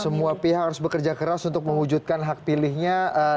semua pihak harus bekerja keras untuk mewujudkan hak pilihnya